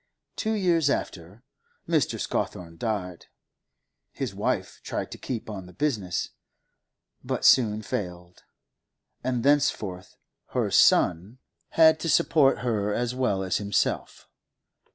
Two years after, Mr. Scawthorne died; his wife tried to keep on the business, but soon failed, and thenceforth her son had to support her as well as himself.